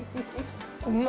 うま。